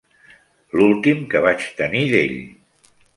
L'últim que vaig tenir d'ell.